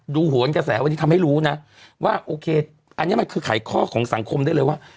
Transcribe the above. โหนกระแสวันนี้ทำให้รู้นะว่าโอเคอันนี้มันคือไขข้อของสังคมได้เลยว่า